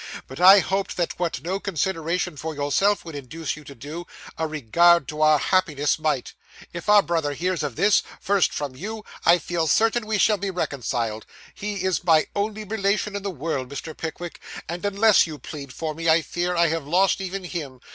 But I hoped that what no consideration for yourself would induce you to do, a regard to our happiness might. If my brother hears of this, first, from you, I feel certain we shall be reconciled. He is my only relation in the world, Mr. Pickwick, and unless you plead for me, I fear I have lost even him.